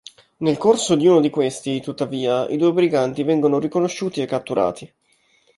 Nel corso di uno di questi, tuttavia, i due briganti vengono riconosciuti e catturati.